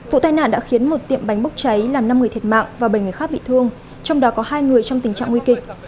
vụ tai nạn đã khiến một tiệm bánh bốc cháy làm năm người thiệt mạng và bảy người khác bị thương trong đó có hai người trong tình trạng nguy kịch